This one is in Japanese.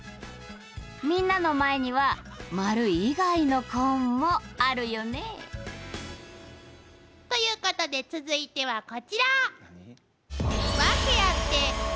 みんなの前には丸以外のコーンもあるよね？ということで続いてはこちら！